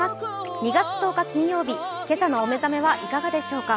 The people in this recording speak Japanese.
２月１０日、金曜日、今朝のお目覚めいかがでしょうか。